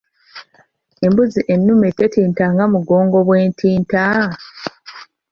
Embuzi ennume tetinta nga mugongo Bw’entinta?